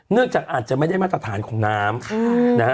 เนื่องจากอาจจะไม่ได้มาตรฐานของน้ำ